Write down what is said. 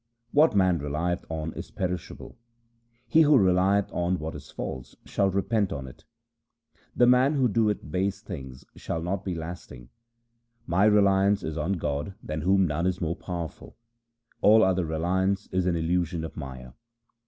What man relieth on is perishable ; He who relieth on what is false shall repent of it. The man who doeth base things shall not be lasting. My reliance is on God than whom none is more powerful. All other reliance is an illusion of Maya.